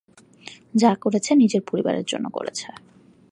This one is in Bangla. যা করছে, নিজের পরিবারের জন্য করছে।